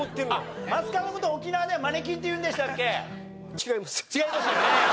違いますよね。